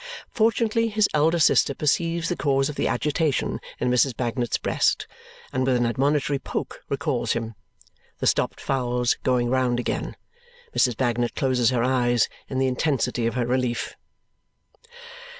Fortunately his elder sister perceives the cause of the agitation in Mrs. Bagnet's breast and with an admonitory poke recalls him. The stopped fowls going round again, Mrs. Bagnet closes her eyes in the intensity of her relief.